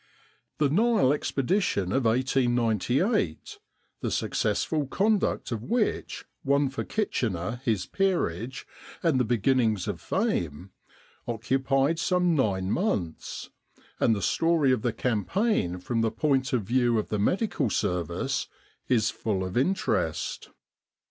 The Nile Expedition of 1898, the successful con duct of which won for Kitchener his peerage and the beginnings of fame, occupied some nine months ; and the story of the campaign from the point of view of the Medical Service is full of interest.